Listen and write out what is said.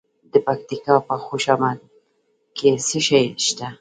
د پکتیکا په خوشامند کې څه شی شته؟